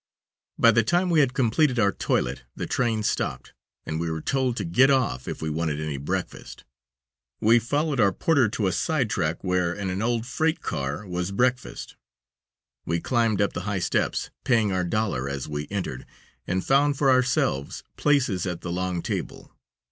By the time we had completed our toilet the train stopped, and we were told to got off if we wanted any breakfast. We followed our porter to a side track where, in an old freight car, was breakfast. We climbed up the high steps, paying our dollar as we entered, and found for ourselves places at the long table.